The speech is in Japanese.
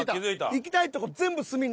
行きたいとこ全部「済」に。